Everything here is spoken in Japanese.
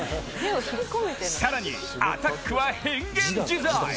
更に、アタックは変幻自在。